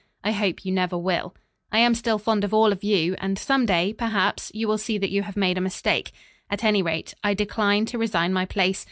I hope you never will. I am still fond of all of you, and some day, perhaps, you will see that you have made a mistake. At any rate, I decline to resign my place.